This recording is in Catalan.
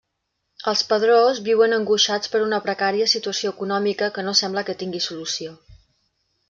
Els Pedrós viuen angoixats per una precària situació econòmica que no sembla que tingui solució.